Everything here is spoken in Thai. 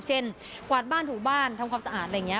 กวาดบ้านถูบ้านทำความสะอาดอะไรอย่างนี้